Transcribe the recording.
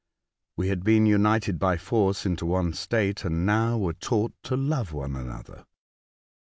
We had been united by force into one state, and now were taught to love one another.